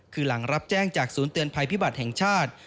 คือหลังรับแจ้งจากศูนย์เตือนภัยพิบัติแห่งชาติ